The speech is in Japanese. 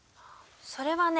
それはね